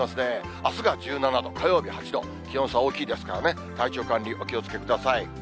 あすが１７度、火曜日８度、気温差大きいですからね、体調管理、お気をつけください。